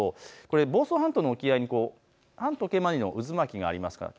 房総半島の沖合に反時計回りの渦巻きがあります。